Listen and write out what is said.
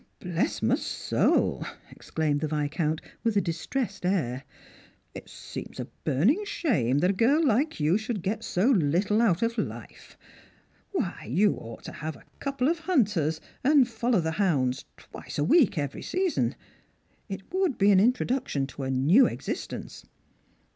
"Bless my soul !" exclaimed the Viscount, with a distressed air. " It seems a burning shame that a girl like you should get so little out of life. Why, you ought to have a couple of hunters, and follow the hounds twice a week every season ; it 'voi:ld be an introduction to a new existence.